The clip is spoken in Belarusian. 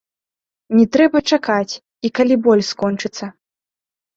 Не трэба чакаць, і калі боль скончыцца.